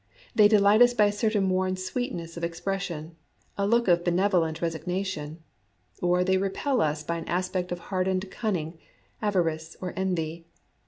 They delight us by a certain worn sweetness of expression, a look of benevolent resignation ; or they repel us by an aspect of hardened cunning, avarice, or envy.